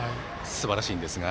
すばらしいんですが。